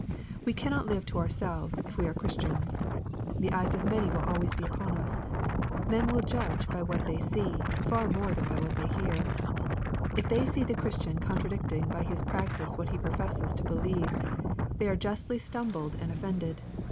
We cannot live to ourselves, if we are Christians. The eyes of many will always be upon us. Men will judge by what they see, far more than by what they hear. If they see the Christian con tradicting by his practice what he professes to believe, they are justly stumbled and offended.